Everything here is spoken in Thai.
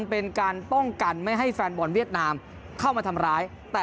ไปฟังสัมภาษณ์กันหน่อยครับ